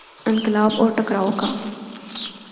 انقلاب اور ٹکراؤ کا۔